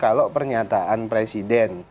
kemudian kalau pernyataan presiden